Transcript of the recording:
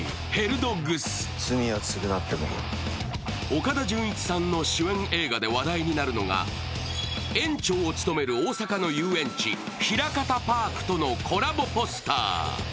岡田准一さんの主演映画で話題になるのが、園長を務める大阪の遊園地、ひらかたパークとのコラボポスター。